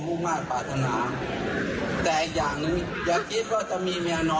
เพราะผมคิดมาตั้งนานแล้วผมไม่มี